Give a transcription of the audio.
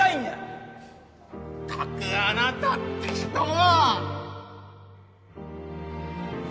まったくあなたって人は！